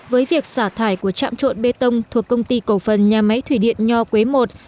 với việc xả thải của trạm trộn bê tông thuộc công ty cổ phần nhà máy thủy điện nho quế i